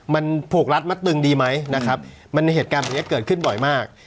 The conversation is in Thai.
มันผูกรัดมัดตึงดีไหมนะครับมันมีเหตุการณ์แบบนี้เกิดขึ้นบ่อยมาก